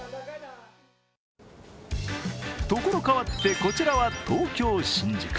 所変わってこちらは、東京・新宿。